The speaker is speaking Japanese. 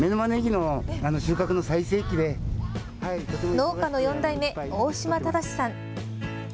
農家の４代目、大島正さん。